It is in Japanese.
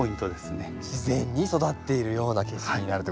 自然に育っているような景色になるってことですね。